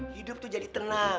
hidup tuh jadi tenang